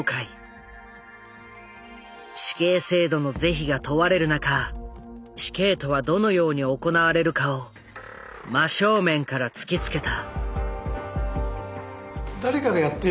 死刑制度の是非が問われる中死刑とはどのように行われるかを真正面から突きつけた。